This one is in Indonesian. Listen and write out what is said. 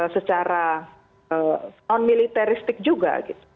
secara non militaristik juga